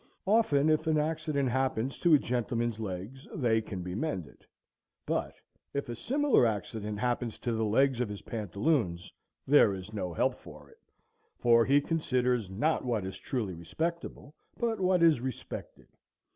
Often if an accident happens to a gentleman's legs, they can be mended; but if a similar accident happens to the legs of his pantaloons, there is no help for it; for he considers, not what is truly respectable, but what is respected.